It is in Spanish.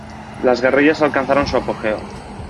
Las guerrillas alcanzaron su apogeo.